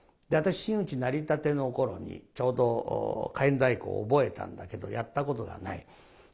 私真打になりたての頃にちょうど「火焔太鼓」を覚えたんだけどやったことがない。